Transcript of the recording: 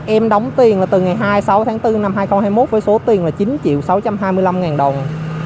em đóng tiền từ ngày hai mươi sáu tháng bốn năm hai nghìn hai mươi một với số tiền là chín triệu sáu trăm hai mươi năm ngàn đồng